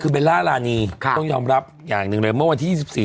คือเบลล่ารานีต้องยอมรับอย่างหนึ่งเลยเมื่อวันที่๒๔